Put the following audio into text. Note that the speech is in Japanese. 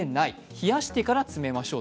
冷やしてから詰めましょう。